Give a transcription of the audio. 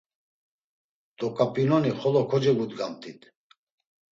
Doǩap̌inoni xolo kocevudgamt̆it.